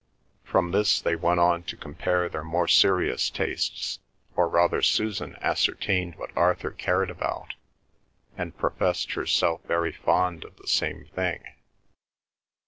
From this they went on to compare their more serious tastes, or rather Susan ascertained what Arthur cared about, and professed herself very fond of the same thing.